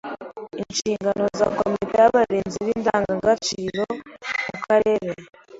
Inshingano za komite y’abarinzi b’indangagaciro mu Karere